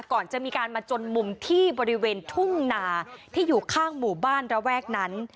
ก่อนจะมีการมาจนมุมที่บริเวณทุ่งนาที่อยู่ข้างหมู่บ้านระแวกนั้น